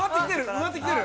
◆埋まってきてる！